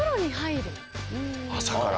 朝から？